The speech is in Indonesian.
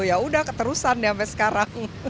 yaudah keterusan deh sampai sekarang